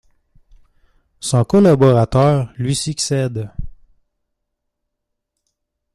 Son collaborateur lui succède.